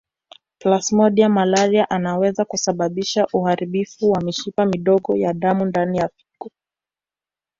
Plasmodium malariae anaweza kusababisha uharibifu wa mishipa midogo ya damu ndani ya figo